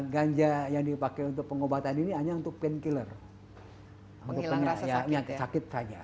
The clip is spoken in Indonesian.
ganja yang dipakai untuk pengobatan ini hanya untuk pen killer hai menghilang rasa sakit saja